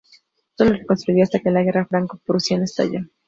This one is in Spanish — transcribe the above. Sólo reconstruyó hasta que la Guerra Franco-prusiana estalló.